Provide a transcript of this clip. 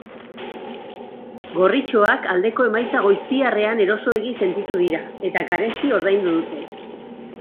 Gorritxoak aldeko emaitza goiztiarrean erosoegi sentitu dira, eta garesti ordaindu dute.